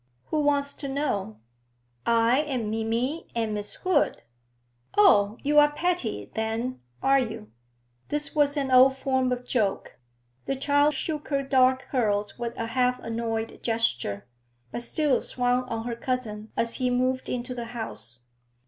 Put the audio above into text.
'Who wants to know?' 'I and Minnie and Miss Hood.' 'Oh, you are Patty, then, are you?' This was an old form of joke. The child shook her dark curls with a half annoyed gesture, but still swung on her cousin as he moved into the house.